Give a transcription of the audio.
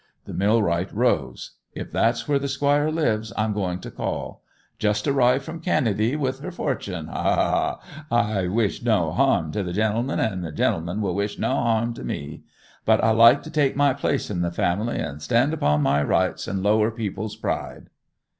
The millwright rose. 'If that's where the squire lives I'm going to call. Just arrived from Canady with her fortune—ha, ha! I wish no harm to the gennleman, and the gennleman will wish no harm to me. But I like to take my place in the family, and stand upon my rights, and lower people's pride!